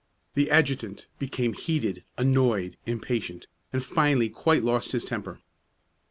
The adjutant became heated, annoyed, impatient, and finally quite lost his temper.